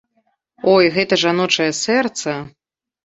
Ой, гэта жаночае сэрца!